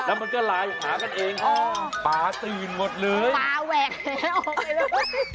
แล้วมันก็ลายหากันเองอ้อปลาตีนหมดเลยปลาแหวกแพ้ออกไปแล้ว